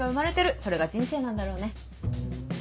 それが人生なんだろうね。